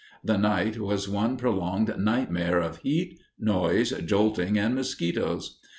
The night was one prolonged nightmare of heat, noise, jolting, and mosquitos.